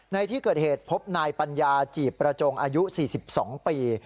ในที่เกิดเหตุพบนายปัญญาจีบประจงอายุ๔๒ปี